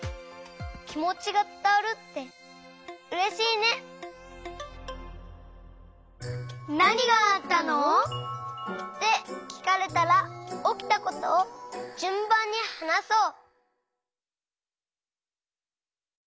きもちがつたわるってうれしいね！ってきかれたらおきたことをじゅんばんにはなそう！